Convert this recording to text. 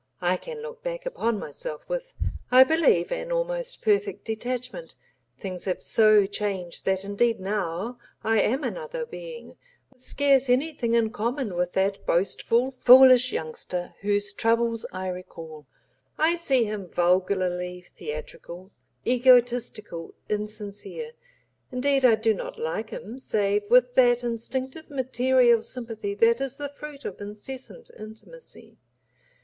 I can look back upon myself with, I believe, an almost perfect detachment, things have so changed that indeed now I am another being, with scarce anything in common with that boastful foolish youngster whose troubles I recall. I see him vulgarly theatrical, egotistical, insincere, indeed I do not like him save with that instinctive material sympathy that is the fruit of incessant intimacy.